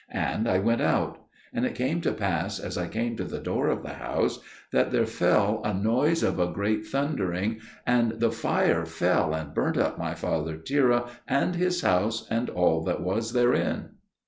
And I went out; and it came to pass, as I came to the door of the house, that there fell a noise of a great thundering, and the fire fell and burnt up my father Terah and his house and all that was therein.